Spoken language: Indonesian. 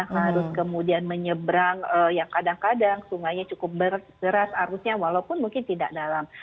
harus kemudian menyeberang yang kadang kadang sungainya cukup berderas arusnya walaupun mungkin tidak dalam